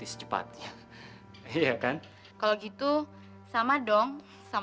ampuni dosa allah